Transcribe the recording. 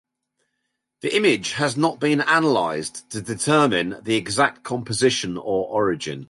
The image has not been analyzed to determine its exact composition or origin.